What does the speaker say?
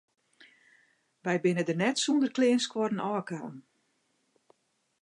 Wy binne der net sûnder kleanskuorren ôfkaam.